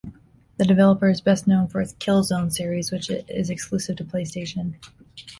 The developer is best known for its "Killzone" series, which is exclusive to PlayStation.